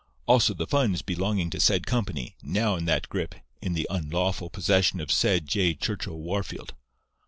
"'Also the funds belonging to said company, now in that grip, in the unlawful possession of said J. Churchill Wahrfield.